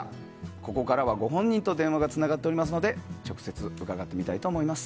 ここからはご本人と電話がつながっておりますので直接伺ってみたいと思います。